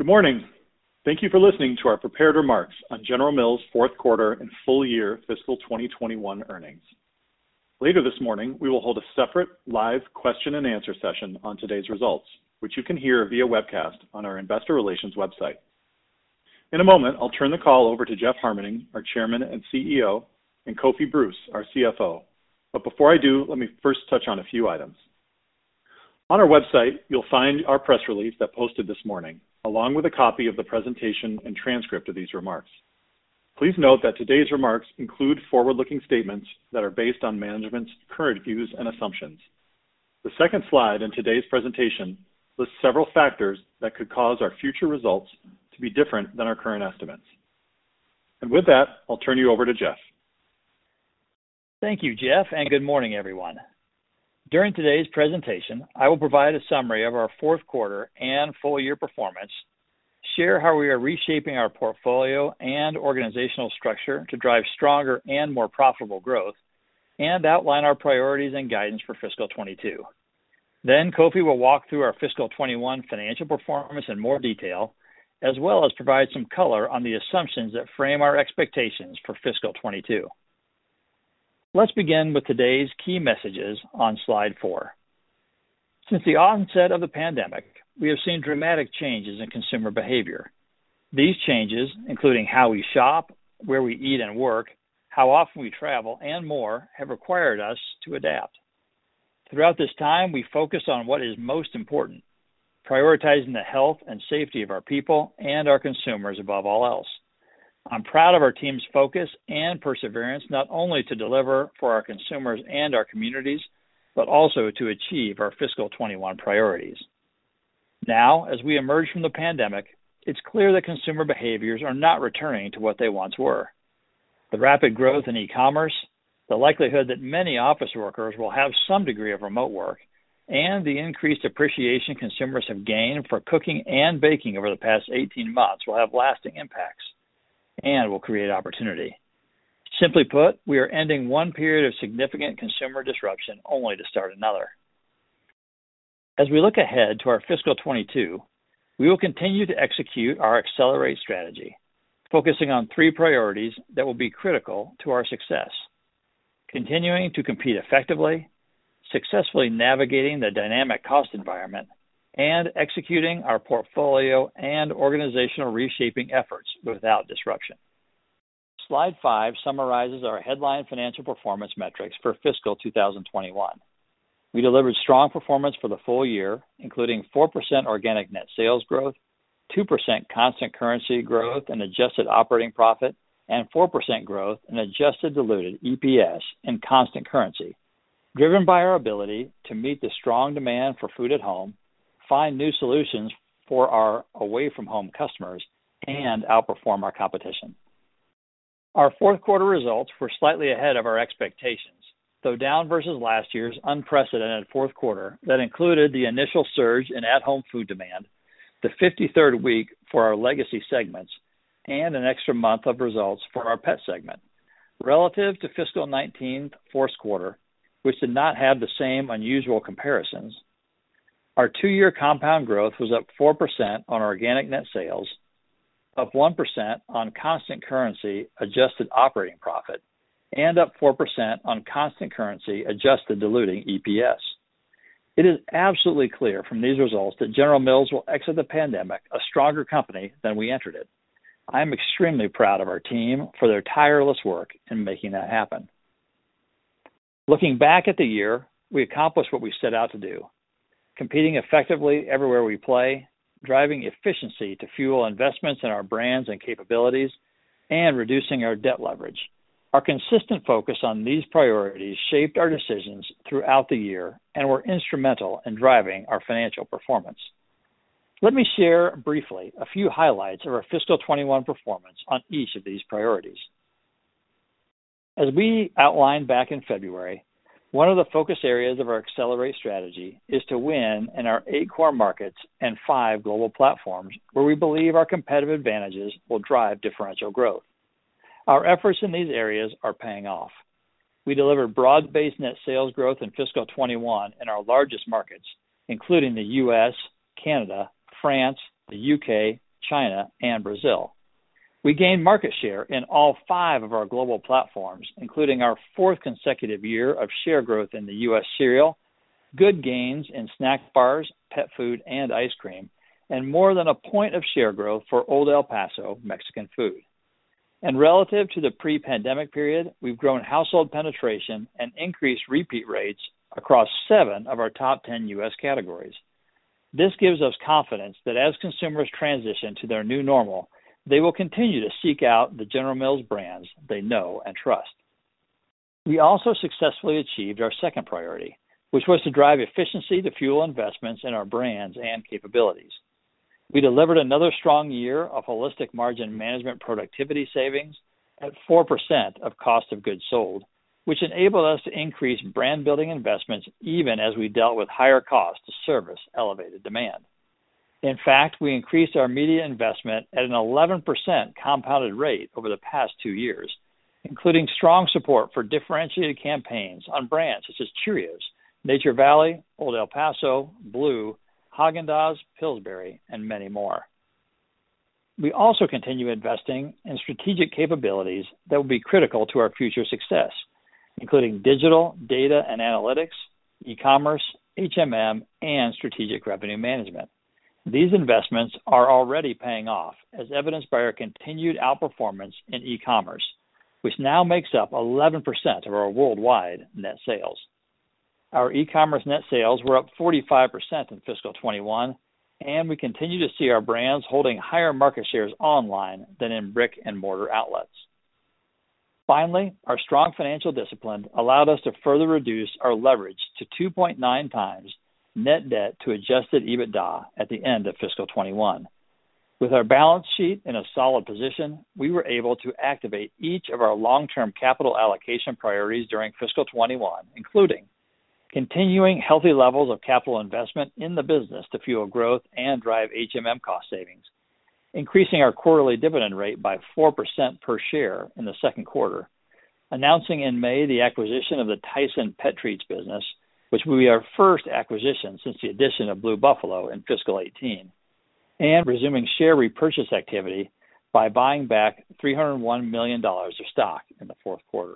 Good morning. Thank you for listening to our prepared remarks on General Mills' fourth quarter and full year fiscal 2021 earnings. Later this morning, we will hold a separate live question and answer session on today's results, which you can hear via webcast on our Investor Relations website. In a moment, I'll turn the call over to Jeff Harmening, our Chairman and CEO, and Kofi Bruce, our CFO. Before I do, let me first touch on a few items. On our website, you'll find our press release that posted this morning, along with a copy of the presentation and transcript of these remarks. Please note that today's remarks include forward-looking statements that are based on management's current views and assumptions. The second slide in today's presentation lists several factors that could cause our future results to be different than our current estimates. With that, I'll turn you over to Jeff. Thank you, Jeff, and good morning, everyone. During today's presentation, I will provide a summary of our fourth quarter and full year performance, share how we are reshaping our portfolio and organizational structure to drive stronger and more profitable growth, and outline our priorities and guidance for fiscal 2022. Kofi will walk through our fiscal 2021 financial performance in more detail, as well as provide some color on the assumptions that frame our expectations for fiscal 2022. Let's begin with today's key messages on slide four. Since the onset of the pandemic, we have seen dramatic changes in consumer behavior. These changes, including how we shop, where we eat and work, how often we travel, and more, have required us to adapt. Throughout this time, we focused on what is most important, prioritizing the health and safety of our people and our consumers above all else. I'm proud of our team's focus and perseverance, not only to deliver for our consumers and our communities, but also to achieve our fiscal 2021 priorities. As we emerge from the pandemic, it's clear that consumer behaviors are not returning to what they once were. The rapid growth in e-commerce, the likelihood that many office workers will have some degree of remote work, and the increased appreciation consumers have gained for cooking and baking over the past 18 months will have lasting impacts and will create opportunity. Simply put, we are ending one period of significant consumer disruption only to start another. As we look ahead to our fiscal 2022, we will continue to execute our Accelerate strategy, focusing on three priorities that will be critical to our success. Continuing to compete effectively, successfully navigating the dynamic cost environment, executing our portfolio and organizational reshaping efforts without disruption. Slide five summarizes our headline financial performance metrics for fiscal 2021. We delivered strong performance for the full year, including 4% organic net sales growth, 2% constant currency growth and adjusted operating profit, and 4% growth in adjusted diluted EPS in constant currency, driven by our ability to meet the strong demand for food at home, find new solutions for our away from home customers, and outperform our competition. Our fourth quarter results were slightly ahead of our expectations. Though down versus last year's unprecedented fourth quarter that included the initial surge in at-home food demand, the 53rd week for our legacy segments, and an extra month of results for our pet segment. Relative to fiscal 2019 fourth quarter, which did not have the same unusual comparisons, our two-year compound growth was up 4% on organic net sales, up 1% on constant currency adjusted operating profit, and up 4% on constant currency adjusted diluted EPS. It is absolutely clear from these results that General Mills will exit the pandemic a stronger company than we entered it. I'm extremely proud of our team for their tireless work in making that happen. Looking back at the year, we accomplished what we set out to do, competing effectively everywhere we play, driving efficiency to fuel investments in our brands and capabilities, and reducing our debt leverage. Our consistent focus on these priorities shaped our decisions throughout the year and were instrumental in driving our financial performance. Let me share briefly a few highlights of our fiscal 2021 performance on each of these priorities. As we outlined back in February, one of the focus areas of our Accelerate strategy is to win in our eight core markets and five global platforms where we believe our competitive advantages will drive differential growth. Our efforts in these areas are paying off. We delivered broad-based net sales growth in fiscal 2021 in our largest markets, including the U.S., Canada, France, the U.K., China, and Brazil. We gained market share in all five of our global platforms, including our fourth consecutive year of share growth in the U.S. cereal, good gains in snack bars, pet food, and ice cream, and more than one point of share growth for Old El Paso Mexican food. Relative to the pre-pandemic period, we've grown household penetration and increased repeat rates across seven of our top 10 U.S. categories. This gives us confidence that as consumers transition to their new normal, they will continue to seek out the General Mills brands they know and trust. We also successfully achieved our second priority, which was to drive efficiency to fuel investments in our brands and capabilities. We delivered another strong year of holistic margin management productivity savings at 4% of cost of goods sold, which enabled us to increase brand-building investments even as we dealt with higher costs to service elevated demand. In fact, I increased our media investment at an 11% compounded rate over the past two years, including strong support for differentiated campaigns on brands such as Cheerios, Nature Valley, Old El Paso, Blue, Häagen-Dazs, Pillsbury, and many more. We also continue investing in strategic capabilities that will be critical to our future success, including digital, data and analytics, e-commerce, HMM, and strategic revenue management. These investments are already paying off, as evidenced by our continued outperformance in e-commerce, which now makes up 11% of our worldwide net sales. Our e-commerce net sales were up 45% in fiscal 2021, and we continue to see our brands holding higher market shares online than in brick-and-mortar outlets. Our strong financial discipline allowed us to further reduce our leverage to 2.9x net debt to adjusted EBITDA at the end of fiscal 2021. With our balance sheet in a solid position, we were able to activate each of our long-term capital allocation priorities during fiscal 2021, including continuing healthy levels of capital investment in the business to fuel growth and drive HMM cost savings, increasing our quarterly dividend rate by 4% per share in the second quarter, announcing in May the acquisition of the Tyson Pet Treats business, which will be our first acquisition since the addition of Blue Buffalo in fiscal 2018, and resuming share repurchase activity by buying back $301 million of stock in the fourth quarter.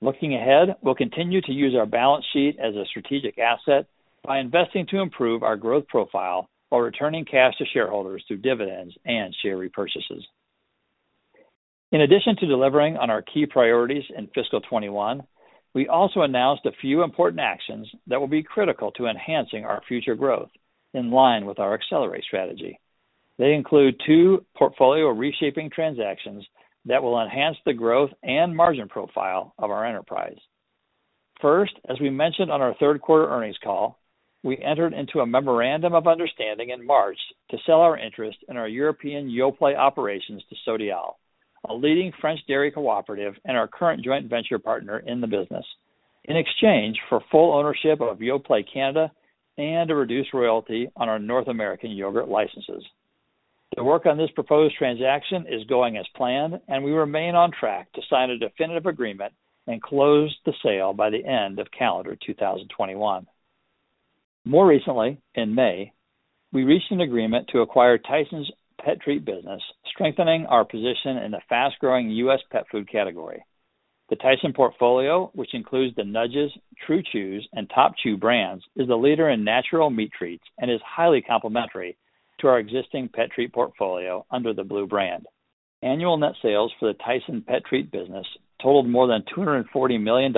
Looking ahead, we'll continue to use our balance sheet as a strategic asset by investing to improve our growth profile while returning cash to shareholders through dividends and share repurchases. In addition to delivering on our key priorities in fiscal 2021, we also announced a few important actions that will be critical to enhancing our future growth in line with our Accelerate strategy. They include two portfolio reshaping transactions that will enhance the growth and margin profile of our enterprise. First, as we mentioned on our third quarter earnings call, we entered into a memorandum of understanding in March to sell our interest in our European Yoplait operations to Sodiaal, a leading French dairy cooperative and our current joint venture partner in the business, in exchange for full ownership of Yoplait Canada and a reduced royalty on our North American yogurt licenses. The work on this proposed transaction is going as planned, and we remain on track to sign a definitive agreement and close the sale by the end of calendar 2021. More recently, in May, we reached an agreement to acquire Tyson Pet Treats business, strengthening our position in the fast-growing U.S. pet food category. The Tyson portfolio, which includes the Nudges, True Chews, and Top Chews brands, is a leader in natural meat treats and is highly complementary to our existing pet treat portfolio under the Blue brand. Annual net sales for the Tyson Pet Treats business totaled more than $240 million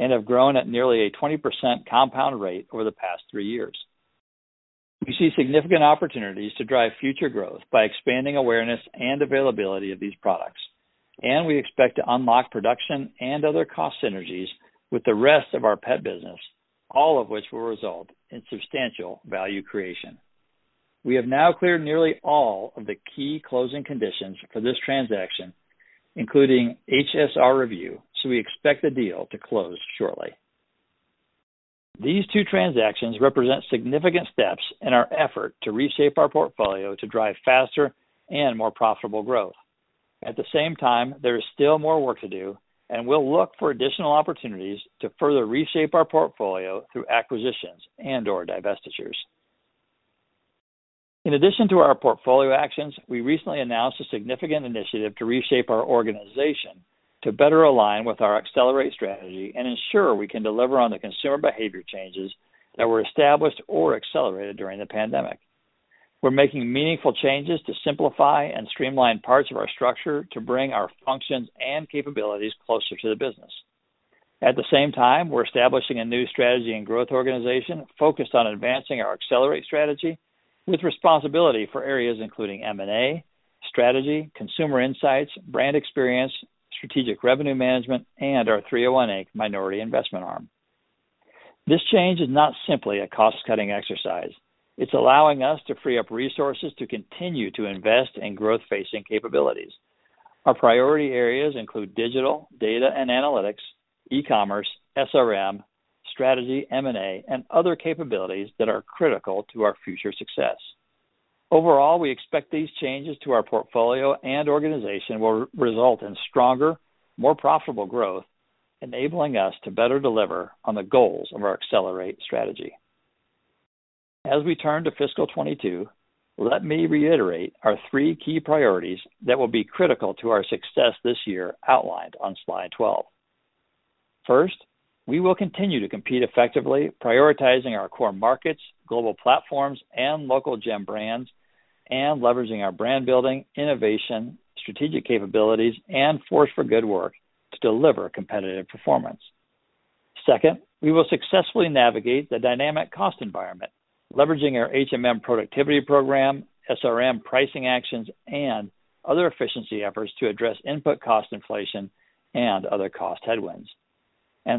and have grown at nearly a 20% compound rate over the past three years. We see significant opportunities to drive future growth by expanding awareness and availability of these products, and we expect to unlock production and other cost synergies with the rest of our pet business, all of which will result in substantial value creation. We have now cleared nearly all of the key closing conditions for this transaction, including HSR review, so we expect the deal to close shortly. These two transactions represent significant steps in our effort to reshape our portfolio to drive faster and more profitable growth. At the same time, there is still more work to do, and we'll look for additional opportunities to further reshape our portfolio through acquisitions and/or divestitures. In addition to our portfolio actions, we recently announced a significant initiative to reshape our organization to better align with our Accelerate strategy and ensure we can deliver on the consumer behavior changes that were established or accelerated during the pandemic. We're making meaningful changes to simplify and streamline parts of our structure to bring our functions and capabilities closer to the business. At the same time, we're establishing a new strategy and growth organization focused on advancing our Accelerate strategy with responsibility for areas including M&A, strategy, consumer insights, brand experience, strategic revenue management, and our 301 INC minority investment arm. This change is not simply a cost-cutting exercise. It's allowing us to free up resources to continue to invest in growth-facing capabilities. Our priority areas include digital, data and analytics, e-commerce, SRM, strategy, M&A, and other capabilities that are critical to our future success. Overall, we expect these changes to our portfolio and organization will result in stronger, more profitable growth, enabling us to better deliver on the goals of our Accelerate strategy. As we turn to fiscal 2022, let me reiterate our three key priorities that will be critical to our success this year, outlined on slide 12. First, we will continue to compete effectively, prioritizing our core markets, global platforms, and local gem brands, and leveraging our brand-building, innovation, strategic capabilities, and Force for Good work to deliver competitive performance. Second, we will successfully navigate the dynamic cost environment, leveraging our HMM productivity program, SRM pricing actions, and other efficiency efforts to address input cost inflation and other cost headwinds.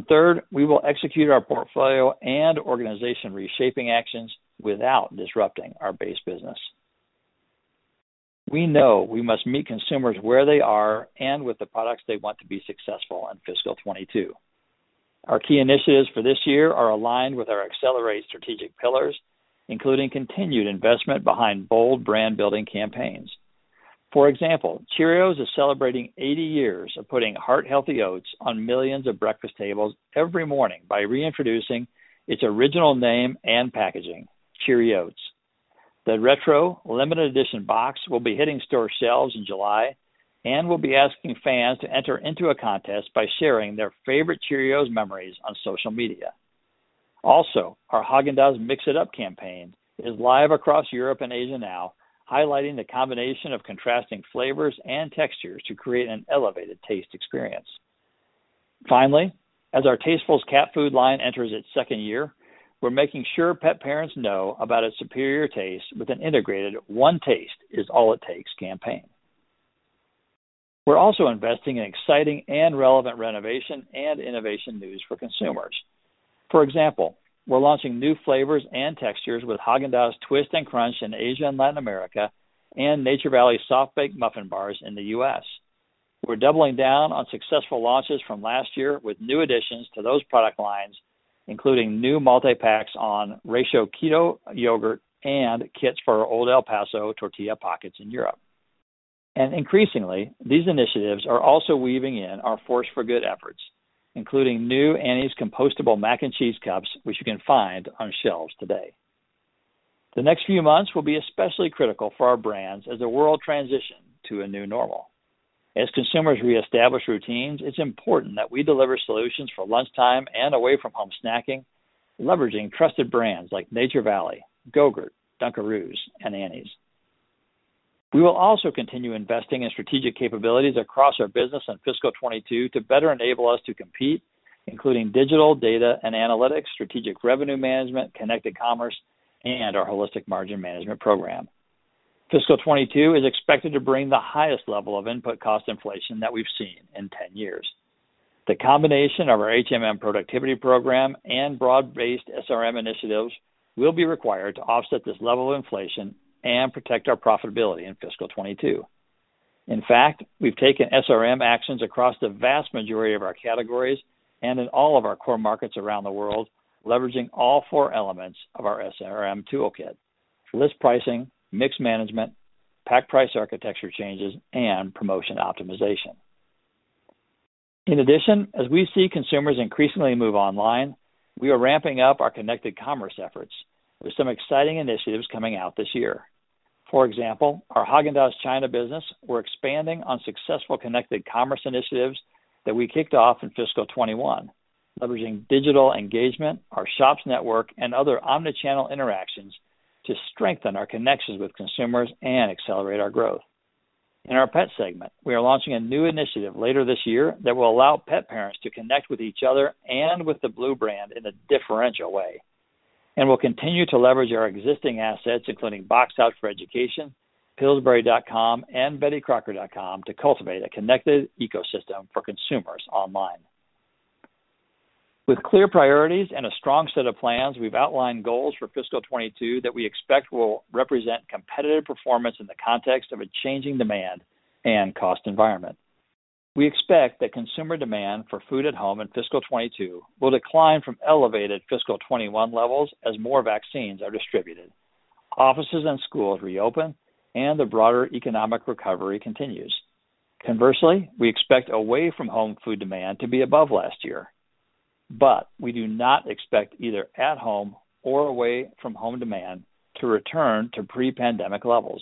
Third, we will execute our portfolio and organization reshaping actions without disrupting our base business. We know we must meet consumers where they are and with the products they want to be successful in fiscal 2022. Our key initiatives for this year are aligned with our Accelerate strategic pillars, including continued investment behind bold brand-building campaigns. For example, Cheerios is celebrating 80 years of putting heart-healthy oats on millions of breakfast tables every morning by reintroducing its original name and packaging, CheeriOats. The retro limited edition box will be hitting store shelves in July and will be asking fans to enter into a contest by sharing their favorite Cheerios memories on social media. Our Häagen-Dazs Mix It Up campaign is live across Europe and Asia now, highlighting the combination of contrasting flavors and textures to create an elevated taste experience. Finally, as our Tastefuls cat food line enters its second year, we're making sure pet parents know about its superior taste with an integrated One Taste Is All It Takes campaign. We're also investing in exciting and relevant renovation and innovation news for consumers. For example, we're launching new flavors and textures with Häagen-Dazs Twist & Crunch in Asia and Latin America and Nature Valley Soft-Baked Muffin Bars in the U.S. We're doubling down on successful launches from last year with new additions to those product lines, including new multi-packs on ratio KETO yogurt and kits for Old El Paso Tortilla Pockets in Europe. Increasingly, these initiatives are also weaving in our Force for Good efforts, including new Annie's compostable mac and cheese cups, which you can find on shelves today. The next few months will be especially critical for our brands as the world transitions to a new normal. As consumers reestablish routines, it's important that we deliver solutions for lunchtime and away-from-home snacking, leveraging trusted brands like Nature Valley, Go-GURT, Dunkaroos, and Annie's. We will also continue investing in strategic capabilities across our business in fiscal 2022 to better enable us to compete, including digital data and analytics, Strategic Revenue Management, connected commerce, and our Holistic Margin Management program. Fiscal 2022 is expected to bring the highest level of input cost inflation that we've seen in 10 years. The combination of our HMM productivity program and broad-based SRM initiatives will be required to offset this level of inflation and protect our profitability in fiscal 2022. In fact, we've taken SRM actions across the vast majority of our categories and in all of our core markets around the world, leveraging all four elements of our SRM toolkit: list pricing, mix management, pack price architecture changes, and promotion optimization. As we see consumers increasingly move online, we are ramping up our connected commerce efforts with some exciting initiatives coming out this year. Our Häagen-Dazs China business, we're expanding on successful connected commerce initiatives that we kicked off in fiscal 2021, leveraging digital engagement, our shops network, and other omni-channel interactions to strengthen our connections with consumers and Accelerate our growth. In our pet segment, we are launching a new initiative later this year that will allow pet parents to connect with each other and with the Blue brand in a differential way. We'll continue to leverage our existing assets, including Box Tops for Education, pillsbury.com, and bettycrocker.com, to cultivate a connected ecosystem for consumers online. With clear priorities and a strong set of plans, we've outlined goals for fiscal 2022 that we expect will represent competitive performance in the context of a changing demand and cost environment. We expect that consumer demand for food at home in fiscal 2022 will decline from elevated fiscal 2021 levels as more vaccines are distributed, offices and schools reopen, and the broader economic recovery continues. Conversely, we expect away-from-home food demand to be above last year, but we do not expect either at-home or away-from-home demand to return to pre-pandemic levels.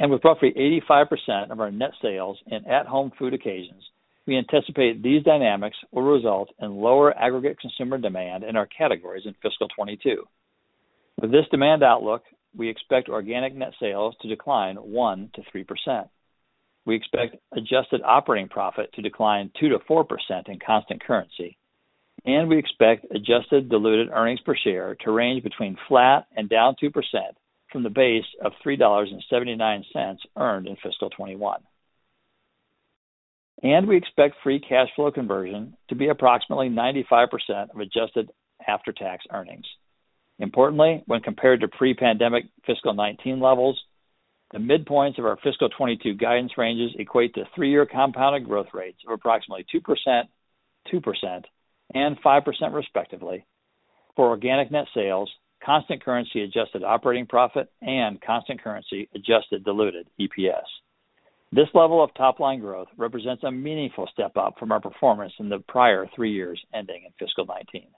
With roughly 85% of our net sales in at-home food occasions, we anticipate these dynamics will result in lower aggregate consumer demand in our categories in fiscal 2022. With this demand outlook, we expect organic net sales to decline 1%-3%. We expect adjusted operating profit to decline 2%-4% in constant currency. We expect adjusted diluted earnings per share to range between flat and down 2% from the base of $3.79 earned in fiscal 2021. We expect free cash flow conversion to be approximately 95% of adjusted after-tax earnings. Importantly, when compared to pre-pandemic fiscal 2019 levels, the midpoints of our fiscal 2022 guidance ranges equate to three-year compounded growth rates of approximately 2%, 2%, and 5% respectively for organic net sales, constant currency adjusted operating profit, and constant currency adjusted diluted EPS. This level of top-line growth represents a meaningful step-up from our performance in the prior three years ending in fiscal 2019.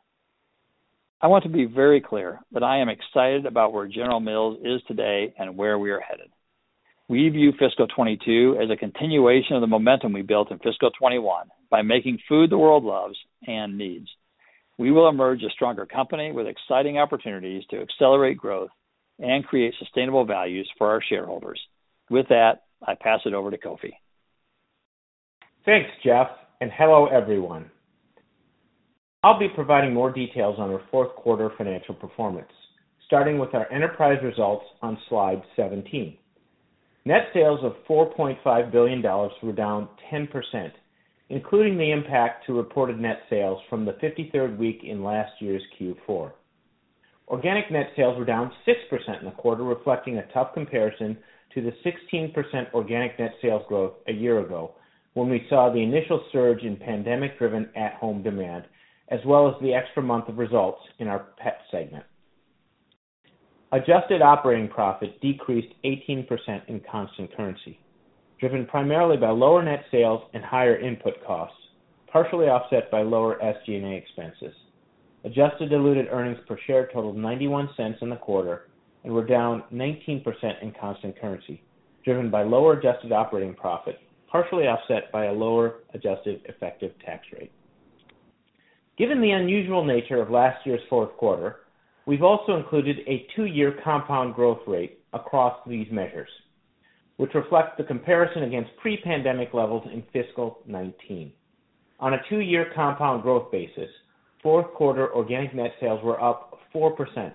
I want to be very clear that I am excited about where General Mills is today and where we are headed. We view fiscal 2022 as a continuation of the momentum we built in fiscal 2021 by making food the world loves and needs. We will emerge a stronger company with exciting opportunities to Accelerate growth and create sustainable values for our shareholders. With that, I pass it over to Kofi. Thanks, Jeff, and hello, everyone. I'll be providing more details on our fourth quarter financial performance, starting with our enterprise results on slide 17. Net sales of $4.5 billion were down 10%, including the impact to reported net sales from the 53rd week in last year's Q4. Organic net sales were down 6% in the quarter, reflecting a tough comparison to the 16% organic net sales growth a year ago, when we saw the initial surge in pandemic-driven at-home demand, as well as the extra month of results in our pet segment. Adjusted operating profit decreased 18% in constant currency, driven primarily by lower net sales and higher input costs, partially offset by lower SG&A expenses. Adjusted diluted earnings per share totaled $0.91 in the quarter and were down 19% in constant currency, driven by lower adjusted operating profit, partially offset by a lower adjusted effective tax rate. Given the unusual nature of last year's fourth quarter, we've also included a two-year compound growth rate across these measures, which reflects the comparison against pre-pandemic levels in fiscal 2019. On a two-year compound growth basis, fourth quarter organic net sales were up 4%.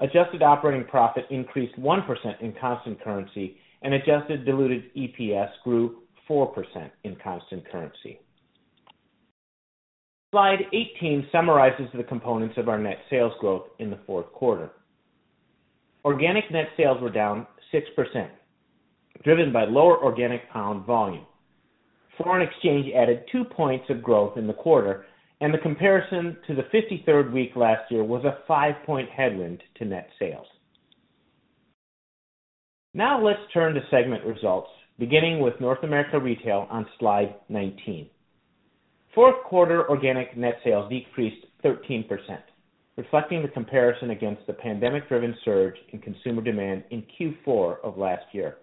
Adjusted operating profit increased 1% in constant currency and adjusted diluted EPS grew 4% in constant currency. Slide 18 summarizes the components of our net sales growth in the fourth quarter. Organic net sales were down 6%, driven by lower organic pound volume. Foreign exchange added 2 points of growth in the quarter, and the comparison to the 53rd week last year was a 5-point headwind to net sales. Let's turn to segment results, beginning with North America Retail on slide 19. Fourth quarter organic net sales decreased 13%, reflecting the comparison against the pandemic-driven surge in consumer demand in Q4 of last year.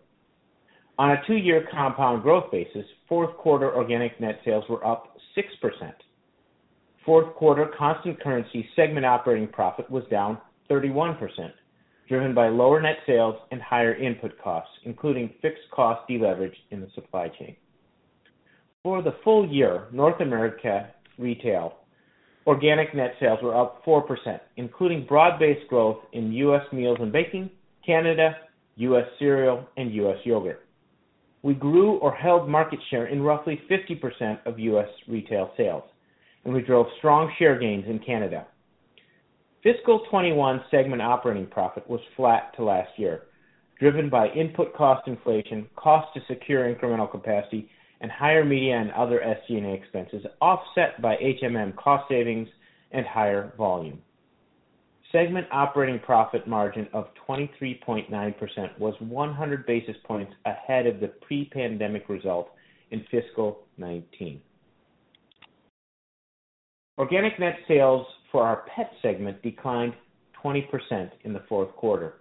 On a two-year compound growth basis, fourth quarter organic net sales were up 6%. Fourth quarter constant currency segment operating profit was down 31%, driven by lower net sales and higher input costs, including fixed cost deleverage in the supply chain. For the full year, North America Retail organic net sales were up 4%, including broad-based growth in U.S. meals and baking, Canada, U.S. cereal, and U.S. yogurt. We grew or held market share in roughly 50% of U.S. retail sales, and we drove strong share gains in Canada. Fiscal 2021 segment operating profit was flat to last year, driven by input cost inflation, cost to secure incremental capacity, and higher media and other SG&A expenses, offset by HMM cost savings and higher volume. Segment operating profit margin of 23.9% was 100 basis points ahead of the pre-pandemic result in fiscal 2019. Organic net sales for our pet segment declined 20% in the fourth quarter,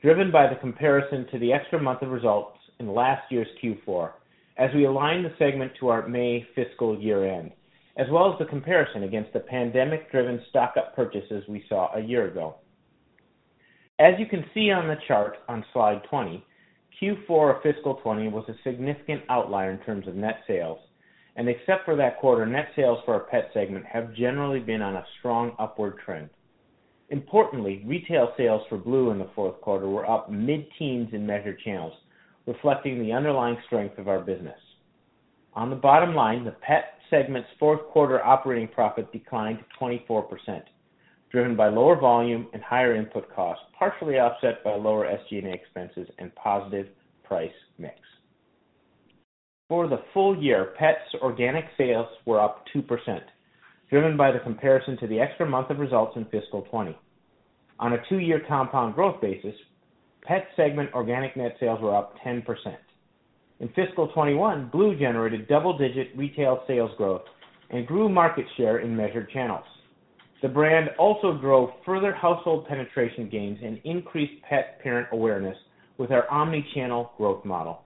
driven by the comparison to the extra one month of results in last year's Q4, as we align the segment to our May fiscal year end, as well as the comparison against the pandemic-driven stock-up purchases we saw a year ago. As you can see on the chart on slide 20, Q4 of fiscal 2020 was a significant outlier in terms of net sales, and except for that quarter, net sales for our pet segment have generally been on a strong upward trend. Importantly, retail sales for Blue in the fourth quarter were up mid-teens in measured channels, reflecting the underlying strength of our business. On the bottom line, the pet segment's fourth quarter operating profit declined 24%, driven by lower volume and higher input costs, partially offset by lower SG&A expenses and positive price mix. For the full year, pets organic sales were up 2%, driven by the comparison to the extra month of results in fiscal 2020. On a two-year compound growth basis, pet segment organic net sales were up 10%. In fiscal 2021, Blue generated double-digit retail sales growth and grew market share in measured channels. The brand also drove further household penetration gains and increased pet parent awareness with our omni-channel growth model.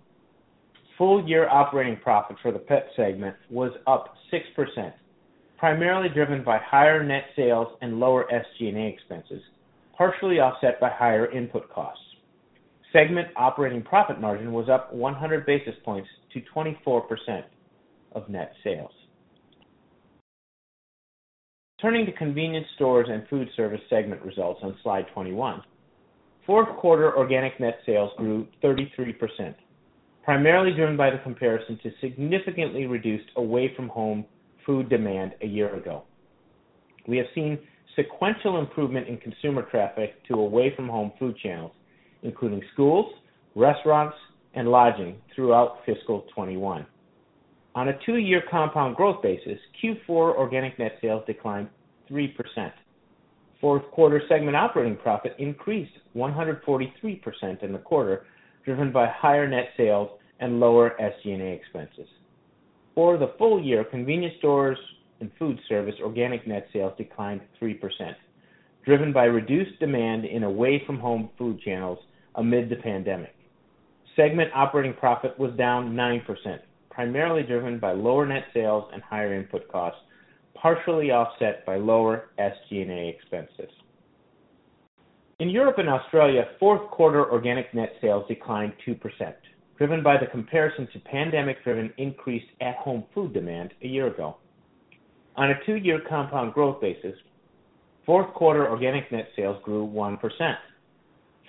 Full-year operating profit for the pet segment was up 6%, primarily driven by higher net sales and lower SG&A expenses, partially offset by higher input costs. Segment operating profit margin was up 100 basis points to 24% of net sales. Turning to Convenience Stores and Foodservice segment results on slide 21. Fourth quarter organic net sales grew 33%, primarily driven by the comparison to significantly reduced away-from-home food demand a year ago. We have seen sequential improvement in consumer traffic to away-from-home food channels, including schools, restaurants, and lodging, throughout fiscal 2021. On a two-year compound growth basis, Q4 organic net sales declined 3%. Fourth quarter segment operating profit increased 143% in the quarter, driven by higher net sales and lower SG&A expenses. For the full year, Convenience Stores and Foodservice organic net sales declined 3%, driven by reduced demand in away-from-home food channels amid the pandemic. Segment operating profit was down 9%, primarily driven by lower net sales and higher input costs, partially offset by lower SG&A expenses. In Europe and Australia, fourth quarter organic net sales declined 2%, driven by the comparison to pandemic-driven increased at-home food demand a year ago. On a two-year compound growth basis, fourth quarter organic net sales grew 1%.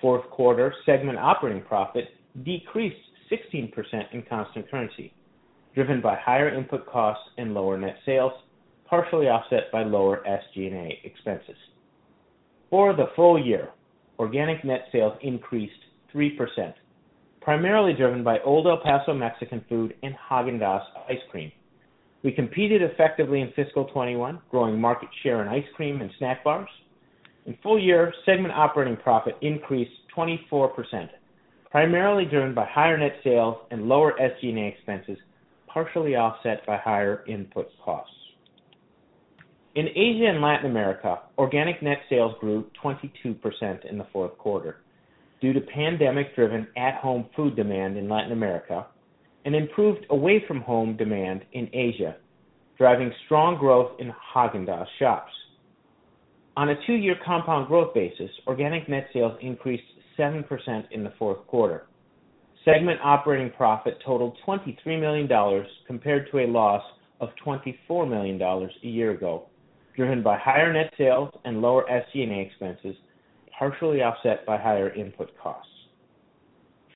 Fourth quarter segment operating profit decreased 16% in constant currency, driven by higher input costs and lower net sales, partially offset by lower SG&A expenses. For the full year, organic net sales increased 3%, primarily driven by Old El Paso Mexican food and Häagen-Dazs ice cream. We competed effectively in fiscal 2021, growing market share in ice cream and snack bars. In full year, segment operating profit increased 24%, primarily driven by higher net sales and lower SG&A expenses, partially offset by higher input costs. In Asia and Latin America, organic net sales grew 22% in the fourth quarter due to pandemic-driven at-home food demand in Latin America and improved away-from-home demand in Asia, driving strong growth in Häagen-Dazs shops. On a two-year compound growth basis, organic net sales increased 7% in the fourth quarter. Segment operating profit totaled $23 million compared to a loss of $24 million a year ago, driven by higher net sales and lower SG&A expenses, partially offset by higher input costs.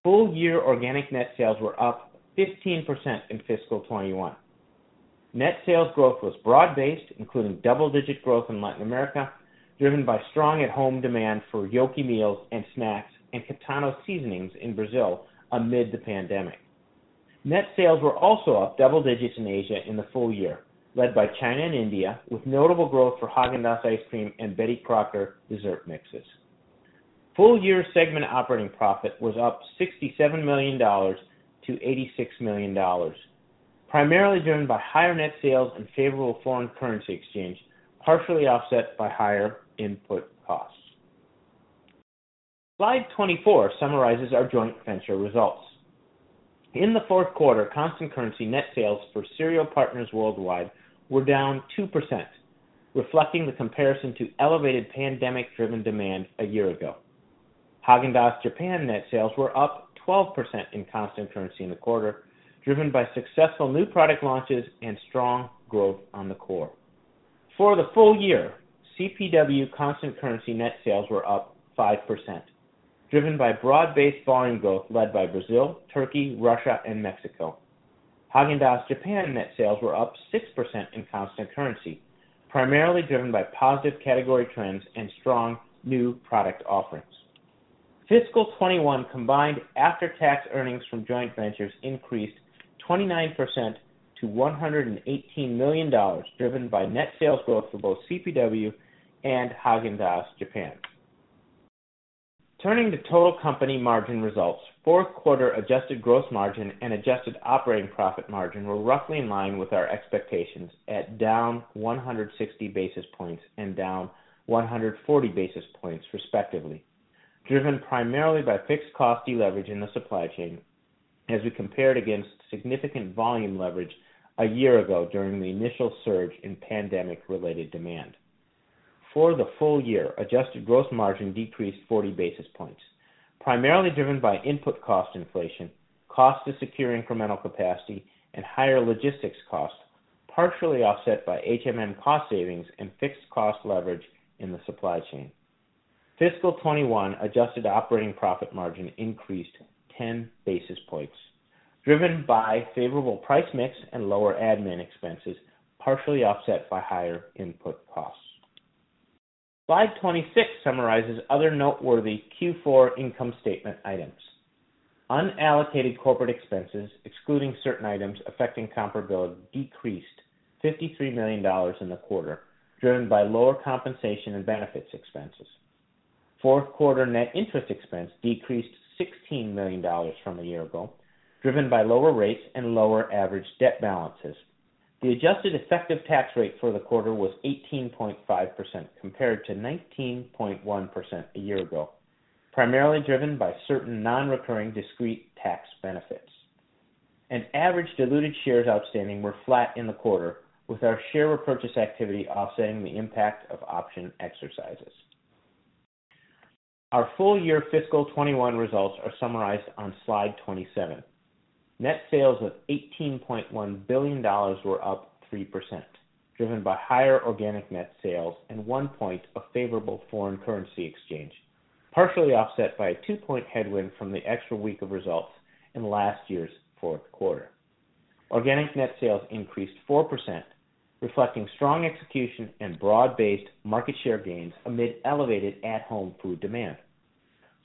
Full-year organic net sales were up 15% in fiscal 2021. Net sales growth was broad-based, including double-digit growth in Latin America, driven by strong at-home demand for Yoki meals and snacks and Kitano seasonings in Brazil amid the pandemic. Net sales were also up double digits in Asia in the full year, led by China and India, with notable growth for Häagen-Dazs ice cream and Betty Crocker dessert mixes. Full-year segment operating profit was up $67 million to $86 million, primarily driven by higher net sales and favorable foreign currency exchange, partially offset by higher input costs. Slide 24 summarizes our joint venture results. In the fourth quarter, constant currency net sales for Cereal Partners Worldwide were down 2%, reflecting the comparison to elevated pandemic-driven demand a year ago. Häagen-Dazs Japan net sales were up 12% in constant currency in the quarter, driven by successful new product launches and strong growth on the core. For the full year, CPW constant currency net sales were up 5%, driven by broad-based volume growth led by Brazil, Turkey, Russia, and Mexico. Häagen-Dazs Japan net sales were up 6% in constant currency, primarily driven by positive category trends and strong new product offerings. Fiscal 2021 combined after-tax earnings from joint ventures increased 29% to $118 million, driven by net sales growth for both CPW and Häagen-Dazs Japan. Turning to total company margin results, fourth quarter adjusted gross margin and adjusted operating profit margin were roughly in line with our expectations at down 160 basis points and down 140 basis points respectively, driven primarily by fixed cost deleverage in the supply chain as we compared against significant volume leverage a year ago during the initial surge in pandemic-related demand. For the full year, adjusted gross margin decreased 40 basis points, primarily driven by input cost inflation, cost to secure incremental capacity, and higher logistics cost, partially offset by HMM cost savings and fixed cost leverage in the supply chain. Fiscal 2021 adjusted operating profit margin increased 10 basis points, driven by favorable price mix and lower admin expenses, partially offset by higher input costs. Slide 26 summarizes other noteworthy Q4 income statement items. Unallocated corporate expenses, excluding certain items affecting comparability, decreased $53 million in the quarter, driven by lower compensation and benefits expenses. Fourth quarter net interest expense decreased $16 million from a year ago, driven by lower rates and lower average debt balances. The adjusted effective tax rate for the quarter was 18.5% compared to 19.1% a year ago, primarily driven by certain non-recurring discrete tax benefits. Average diluted shares outstanding were flat in the quarter, with our share repurchase activity offsetting the impact of option exercises. Our full-year fiscal 2021 results are summarized on slide 27. Net sales of $18.1 billion were up 3%, driven by higher organic net sales and 1 point of favorable foreign currency exchange, partially offset by a 2-point headwind from the extra week of results in last year's fourth quarter. Organic net sales increased 4%, reflecting strong execution and broad-based market share gains amid elevated at-home food demand.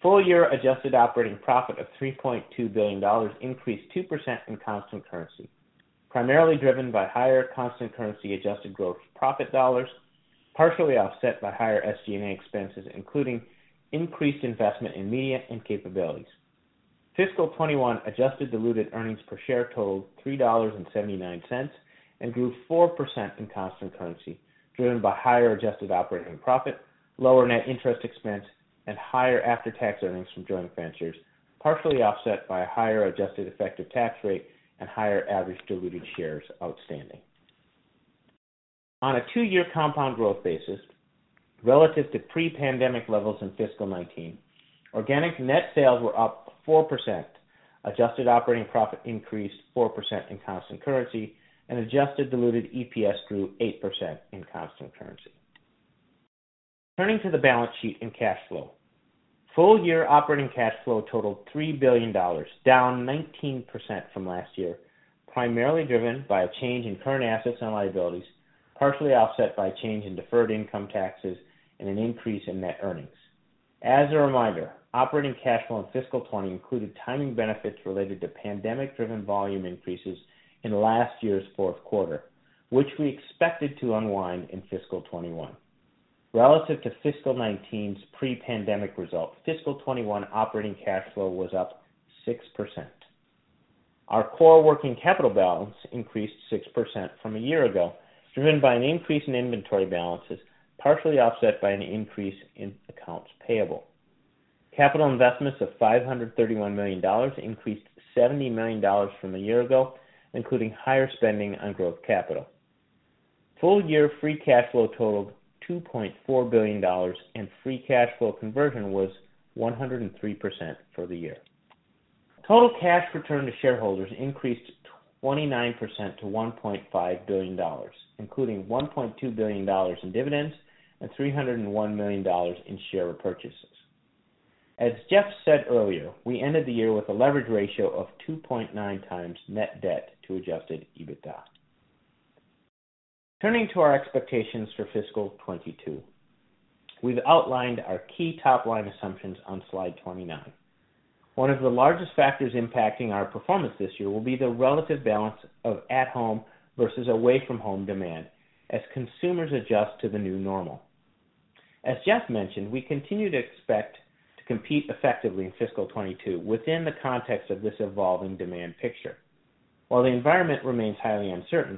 Full-year adjusted operating profit of $3.2 billion increased 2% in constant currency, primarily driven by higher constant currency adjusted gross profit dollars, partially offset by higher SG&A expenses, including increased investment in media and capabilities. Fiscal 2021 adjusted diluted earnings per share totaled $3.79 and grew 4% in constant currency, driven by higher adjusted operating profit, lower net interest expense, and higher after-tax earnings from joint ventures, partially offset by a higher adjusted effective tax rate and higher average diluted shares outstanding. On a two-year compound growth basis, relative to pre-pandemic levels in fiscal 2019, organic net sales were up 4%. Adjusted operating profit increased 4% in constant currency and adjusted diluted EPS grew 8% in constant currency. Turning to the balance sheet and cash flow. Full year operating cash flow totaled $3 billion, down 19% from last year, primarily driven by a change in current assets and liabilities, partially offset by a change in deferred income taxes and an increase in net earnings. As a reminder, operating cash flow in FY 2020 included timing benefits related to pandemic-driven volume increases in last year's fourth quarter, which we expected to unwind in FY 2021. Relative to FY 2019's pre-pandemic results, FY 2021 operating cash flow was up 6%. Our core working capital balance increased 6% from a year ago, driven by an increase in inventory balances, partially offset by an increase in accounts payable. Capital investments of $531 million increased $70 million from a year ago, including higher spending on growth capital. Full year free cash flow totaled $2.4 billion, and free cash flow conversion was 103% for the year. Total cash return to shareholders increased 29% to $1.5 billion, including $1.2 billion in dividends and $301 million in share repurchases. As Jeff said earlier, we ended the year with a leverage ratio of 2.9x net debt to adjusted EBITDA. Turning to our expectations for fiscal 2022, we've outlined our key top-line assumptions on slide 29. One of the largest factors impacting our performance this year will be the relative balance of at-home versus away-from-home demand as consumers adjust to the new normal. As Jeff mentioned, we continue to expect to compete effectively in fiscal 2022 within the context of this evolving demand picture. While the environment remains highly uncertain,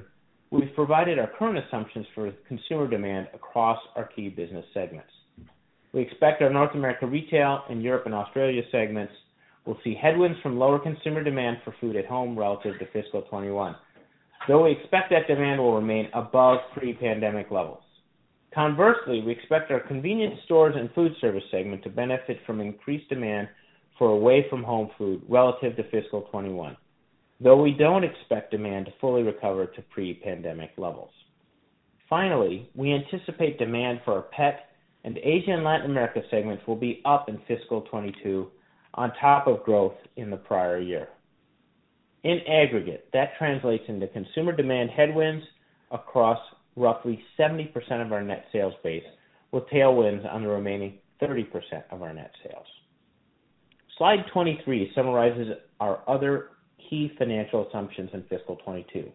we've provided our current assumptions for consumer demand across our key business segments. We expect our North America Retail and Europe and Australia segments will see headwinds from lower consumer demand for food at home relative to fiscal 2021, though we expect that demand will remain above pre-pandemic levels. Conversely, we expect our Convenience Stores and Foodservice segment to benefit from increased demand for away-from-home food relative to fiscal 2021, though we don't expect demand to fully recover to pre-pandemic levels. Finally, we anticipate demand for our Pet and Asia and Latin America segments will be up in fiscal 2022 on top of growth in the prior year. In aggregate, that translates into consumer demand headwinds across roughly 70% of our net sales base, with tailwinds on the remaining 30% of our net sales. Slide 23 summarizes our other key financial assumptions in fiscal 2022.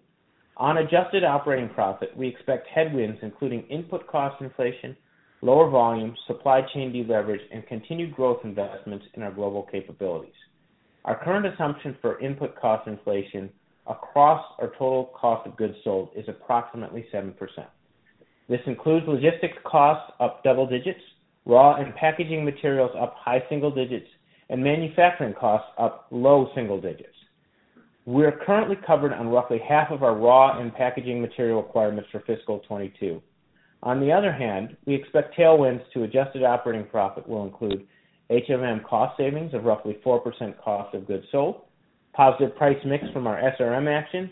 On adjusted operating profit, we expect headwinds including input cost inflation, lower volume, supply chain de-leverage, and continued growth investments in our global capabilities. Our current assumption for input cost inflation across our total cost of goods sold is approximately 7%. This includes logistic costs up double digits, raw and packaging materials up high single digits, and manufacturing costs up low single digits. We are currently covered on roughly half of our raw and packaging material requirements for fiscal 2022. On the other hand, we expect tailwinds to adjusted operating profit will include HMM cost savings of roughly 4% cost of goods sold, positive price mix from our SRM actions,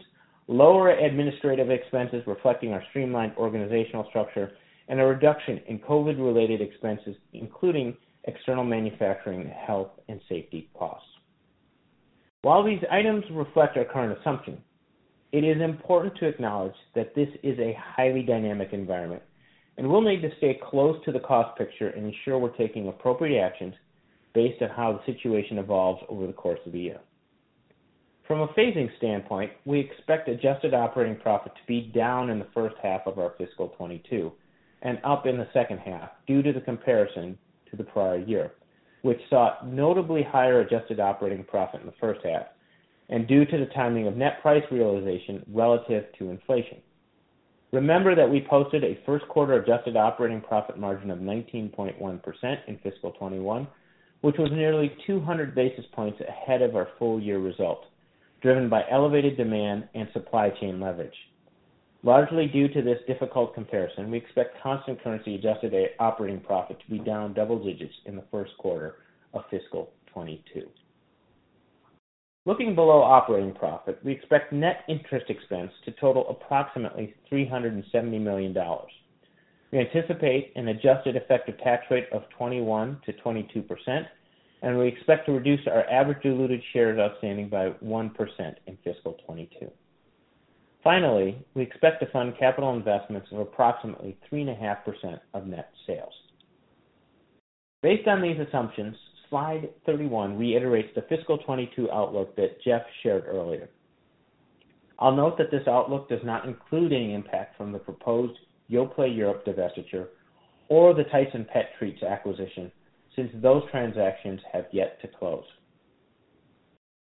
lower administrative expenses reflecting our streamlined organizational structure, and a reduction in COVID-related expenses, including external manufacturing and health and safety costs. While these items reflect our current assumption, it is important to acknowledge that this is a highly dynamic environment, we'll need to stay close to the cost picture and ensure we're taking appropriate actions based on how the situation evolves over the course of the year. From a phasing standpoint, we expect adjusted operating profit to be down in the first half of our fiscal 2022 and up in the second half due to the comparison to the prior year, which saw notably higher adjusted operating profit in the first half and due to the timing of net price realization relative to inflation. Remember that we posted a first quarter adjusted operating profit margin of 19.1% in fiscal 2021, which was nearly 200 basis points ahead of our full-year results, driven by elevated demand and supply chain leverage. Largely due to this difficult comparison, we expect constant currency adjusted operating profit to be down double digits in the first quarter of fiscal 2022. Looking below operating profit, we expect net interest expense to total approximately $370 million. We anticipate an adjusted effective tax rate of 21%-22%, and we expect to reduce our average diluted shares outstanding by 1% in fiscal 2022. Finally, we expect to fund capital investments of approximately 3.5% of net sales. Based on these assumptions, slide 31 reiterates the fiscal 2022 outlook that Jeff shared earlier. I'll note that this outlook does not include any impact from the proposed Yoplait Europe divestiture or the Tyson Pet Treats acquisition since those transactions have yet to close.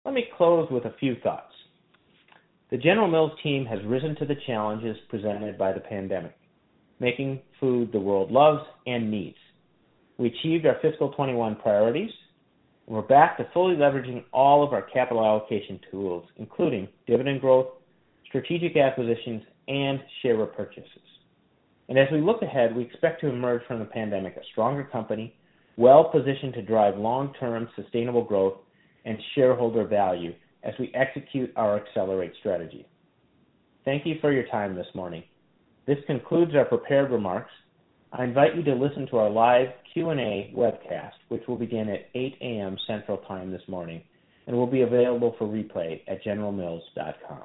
Let me close with a few thoughts. The General Mills team has risen to the challenges presented by the pandemic, making food the world loves and needs. We achieved our fiscal 2021 priorities, we're back to fully leveraging all of our capital allocation tools, including dividend growth, strategic acquisitions, and share repurchases. As we look ahead, we expect to emerge from the pandemic a stronger company, well-positioned to drive long-term sustainable growth and shareholder value as we execute our Accelerate strategy. Thank you for your time this morning. This concludes our prepared remarks. I invite you to listen to our live Q&A webcast, which will begin at 8:00 A.M. Central Time this morning and will be available for replay at generalmills.com.